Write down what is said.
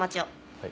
はい。